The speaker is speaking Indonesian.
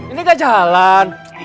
ini enggak jalan